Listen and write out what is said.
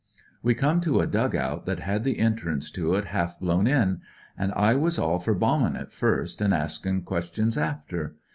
We come to a dug out that had the entrance to it half blown in, an' I was all for bombin' it first, and askin' questions after.